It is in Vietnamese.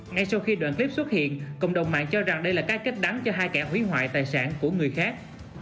ngay sau khi đoạn clip xuất hiện cộng đồng mạng cho rằng đây là cái cách đắn cho hai kẻ hủy hoại tài sản của người khác